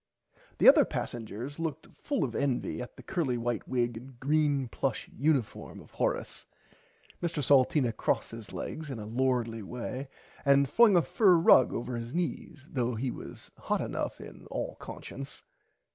The other pasengers looked full of envy at the curly white wig and green plush uniform of Horace. Mr Salteena crossed his legs in a lordly way and flung a fur rug over his knees though he was hot enough in all consciunce.